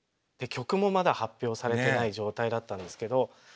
で曲もまだ発表されてない状態だったんですけど。